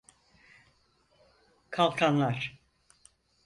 Kalkanlar.